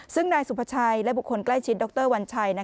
ซึ่งนายสุภาชัยและบุคคลใกล้ชิดดรวัญชัย